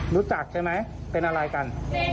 รู้จักใช่ไหมเป็นอะไรกัน